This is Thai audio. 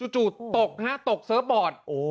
จู่ตกเซิฟบอร์ด